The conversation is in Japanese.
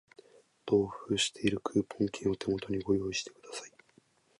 同封しているクーポン券を手元にご用意ください